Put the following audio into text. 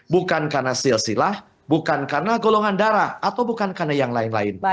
bukan karena silsilah bukan karena golongan darah atau bukan karena yang lain lain